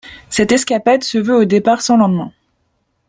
Cette escapade se veut au départ sans lendemain.